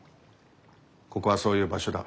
ここはそういう場所だ。